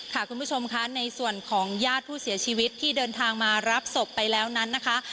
คุณผู้ชมค่ะในส่วนของญาติผู้เสียชีวิตที่เดินทางมารับศพไปแล้วนั้นนะคะ